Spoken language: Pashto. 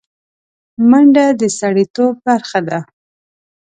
منډه د سړيتوب برخه ده